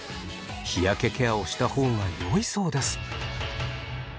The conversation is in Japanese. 日焼けケアをした方がよいそうです。